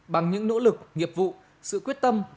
bằng những nỗ lực nghiệp vụ sự quyết tâm